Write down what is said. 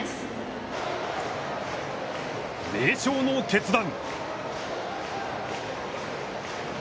名将の決断。